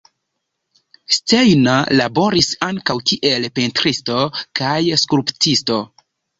Steiner laboris ankaŭ kiel pentristo kaj skulptisto.